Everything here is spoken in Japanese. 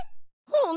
うん。